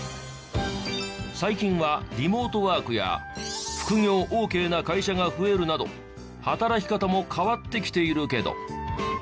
最近はリモートワークや副業ＯＫな会社が増えるなど働き方も変わってきているけど。